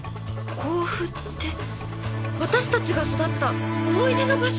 甲府って私たちが育った思い出の場所？